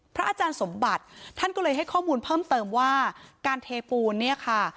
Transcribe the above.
อาจารย์สมบัติท่านก็เลยให้ข้อมูลเพิ่มเติมว่าการเทปูนเนี่ยค่ะ